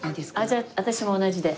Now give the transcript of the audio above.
じゃあ私も同じで。